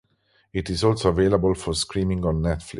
It is also available for streaming on Netflix.